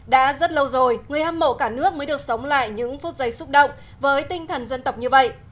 đã rất lâu rồi người hâm mộ cả nước mới được sống lại những phút giây xúc động với tinh thần dân tộc như vậy